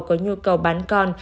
có nhu cầu bán con